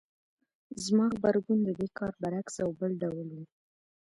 زما غبرګون د دې کار برعکس او بل ډول و.